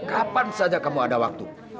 kapan saja kamu ada waktu